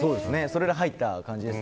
それで入った感じです